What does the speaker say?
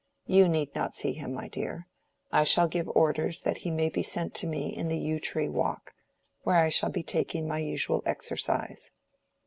You need not see him, my dear. I shall give orders that he may be sent to me in the Yew tree Walk, where I shall be taking my usual exercise."